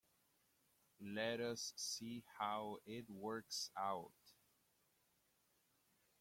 Let us see how it works out.